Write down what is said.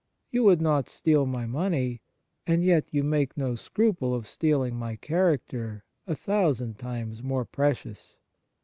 You would not steal my money, and yet you make no scruple of stealing my character, a thousand times more precious.